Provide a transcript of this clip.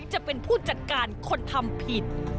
จะเป็นผู้จัดการคนทำผิด